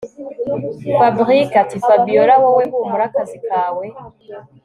Fabric atiFabiora wowe humura akazi kawe